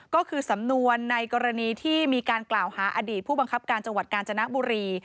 ก็คือสำนวนในกรณีที่มีการกล่าวหาอดีตผู้บังคับการจังหวัดกาญจนบุรี